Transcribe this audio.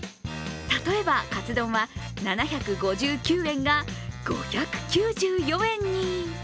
例えば、カツ丼は７５９円が５９４円に。